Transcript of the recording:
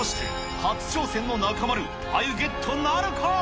初挑戦の中丸、あゆゲットなるか。